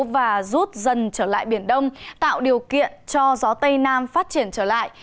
và rút dần trở lại biển đông tạo điều kiện cho gió tây nam phát triển trở lại